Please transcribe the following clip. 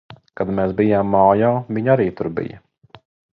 Kad mēs bijām mājā, viņa arī tur bija.